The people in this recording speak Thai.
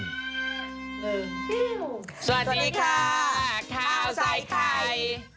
สวัสดีค่ะข้าวใส่ไข่